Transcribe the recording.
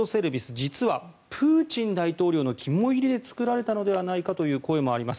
実はプーチン大統領の肝煎りで作られたのではないかという声もあります。